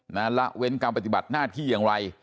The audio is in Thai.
และละเว้นการปฏิบัติหน้าที่อย่างไร